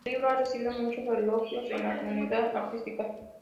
El libro ha recibido muchos elogios en la comunidad artística.